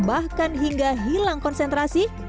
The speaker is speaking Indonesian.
bahkan hingga hilang konsentrasi